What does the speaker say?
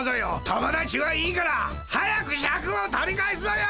友達はいいから早くシャクを取り返すぞよ！